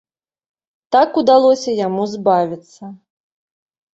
Так удалося яму збавіцца.